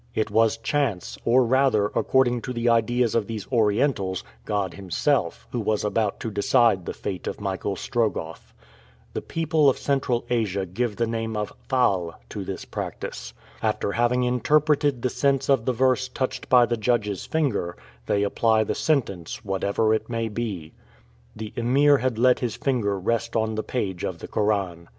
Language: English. It was chance, or rather, according to the ideas of these Orientals, God Himself who was about to decide the fate of Michael Strogoff. The people of Central Asia give the name of "fal" to this practice. After having interpreted the sense of the verse touched by the judge's finger, they apply the sentence whatever it may be. The Emir had let his finger rest on the page of the Koran.